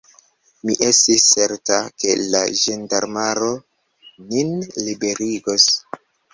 Mi estis certa, ke la ĝendarmaro nin liberigos.